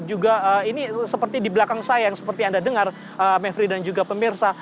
juga ini seperti di belakang saya yang seperti anda dengar mevri dan juga pemirsa